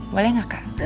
boleh nggak kak